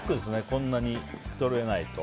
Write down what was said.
こんなに取れないと。